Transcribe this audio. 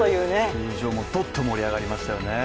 球場もどっと盛り上がりましたよね。